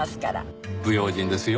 不用心ですよ。